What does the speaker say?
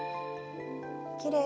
きれい。